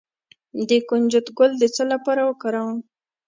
د کنجد ګل د څه لپاره وکاروم؟